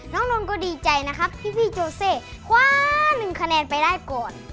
นนท์ก็ดีใจนะครับที่พี่โจเซคว้า๑คะแนนไปได้ก่อน